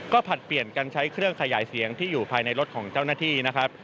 ก็ผลัดเปลี่ยนกันใช้เครื่องขยายเสียงที่อยู่ภายในรถของเจ้าหน้าที่นะครับ